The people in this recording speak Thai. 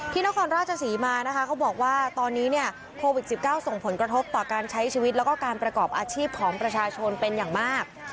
นครราชศรีมานะคะเขาบอกว่าตอนนี้เนี่ยโควิด๑๙ส่งผลกระทบต่อการใช้ชีวิตแล้วก็การประกอบอาชีพของประชาชนเป็นอย่างมาก